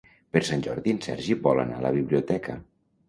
Per Sant Jordi en Sergi vol anar a la biblioteca.